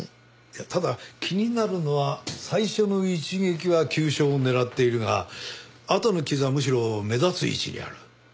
ただ気になるのは最初の一撃は急所を狙っているがあとの傷はむしろ目立つ位置にある。